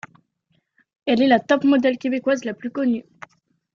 Elle est la top model québécoise la plus connue.